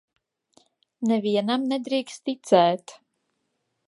Nevienam nedrīkst ticēt.